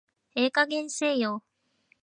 ええ加減にせえよ